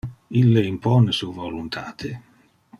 Ille impone su voluntate.